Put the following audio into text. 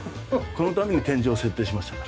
このために天井を設定しましたから。